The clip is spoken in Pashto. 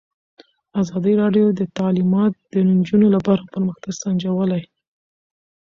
ازادي راډیو د تعلیمات د نجونو لپاره پرمختګ سنجولی.